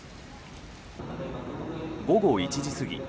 午後１時過ぎ